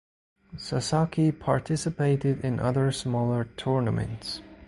Sasaki participated in other smaller tournaments.